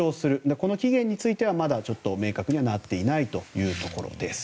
この期限についてはまだ明確にはなっていないところです。